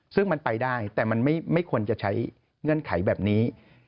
ซึ่งมันไปได้แต่มันไม่ควรจะใช้เงื่อนไขแบบนี้